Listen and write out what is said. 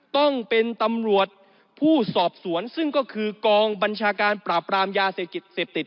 ต้องเป็นตำรวจผู้สอบสวนซึ่งก็คือกองบัญชาการปราบรามยาเสพติดเสพติด